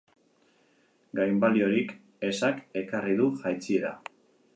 Gainbaliorik ezak ekarri du jaitsiera.